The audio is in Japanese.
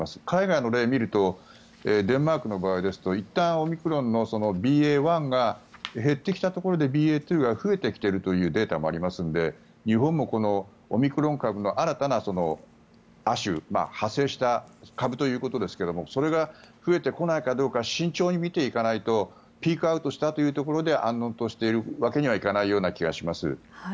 海外の例を見るとデンマークの場合ですといったんオミクロンのＢＡ．１が減ってきたところでＢＡ．２が増えてきているというデータもあるので日本もオミクロン株の新たな亜種派生した株ということですけどそれが増えてこないかどうか慎重に見ていかないとピークアウトしたというところで安穏としているわけにはいかないと思います。